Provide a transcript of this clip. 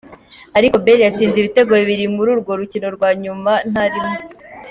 Ariko Bale yatsinze ibitego bibiri muri urwo rukino rwa nyuma, ntarimwo.